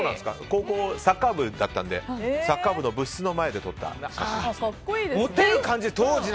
高校、サッカー部だったのでサッカー部の部室の前で撮った写真です。